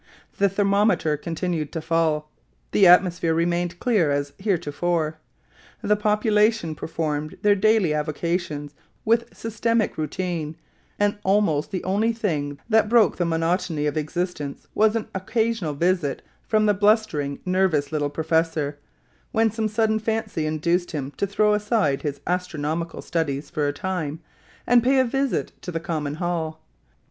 The thermometer continued to fall; the atmosphere remained clear as heretofore. The population performed their daily avocations with systematic routine; and almost the only thing that broke the monotony of existence was an occasional visit from the blustering, nervous, little professor, when some sudden fancy induced him to throw aside his astronomical studies for a time, and pay a visit to the common hall.